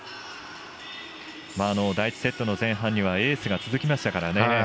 第１セットの前半にはエースが続きましたからね。